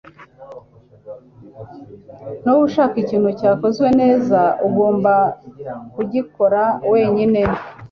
Niba ushaka ikintu cyakozwe neza, ugomba kugikora wenyine.